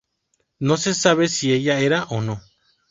No se sabe si ella era o no.